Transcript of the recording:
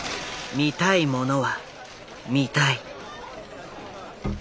見たいものは見たい。